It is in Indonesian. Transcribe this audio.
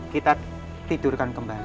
kita tidurkan kembali